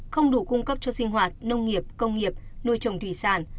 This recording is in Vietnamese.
không đủ cung cấp cho sinh hoạt nông nghiệp công nghiệp nuôi trồng thủy sản